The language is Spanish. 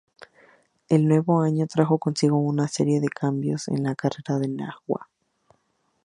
El nuevo año trajo consigo una serie de cambios en la carrera de Najwa.